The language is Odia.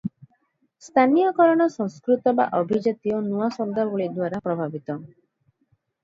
ସ୍ଥାନୀୟକରଣ ସଂସ୍କୃତ ବା ଅଭିଜାତୀୟ ନୂଆ ଶବ୍ଦାବଳୀଦ୍ୱାରା ପ୍ରଭାବିତ ।